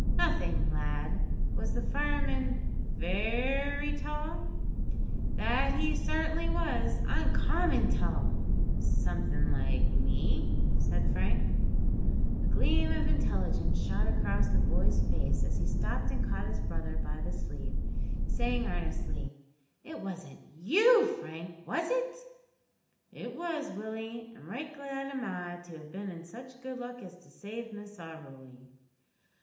"Nothing, lad. Was the fireman very tall?" "That he certainly was uncommon tall." "Something like me?" said Frank. A gleam of intelligence shot across the boy's face as he stopped and caught his brother by the sleeve, saying earnestly: "It wasn't you, Frank, was it?" "It was, Willie, and right glad am I to have been in such good luck as to save Miss Auberly."